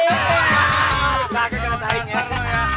tidak kena sayang